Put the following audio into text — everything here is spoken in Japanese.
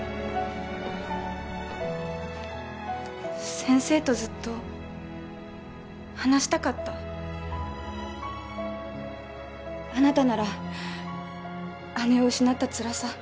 先生とずっと話したかったあなたなら姉を失ったつらさ